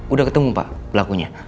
udah ketemu pak pelakunya